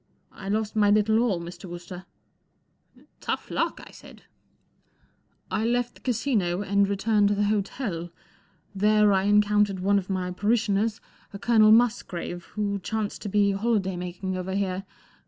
I lost my little all, Mr. Wooster." 44 Tough luck," I said. ' 4 I left the Casino, and returned to the hotel. There I encountered one of my parishioners, a Colonel Musgrave, who chanced to be holiday making over here.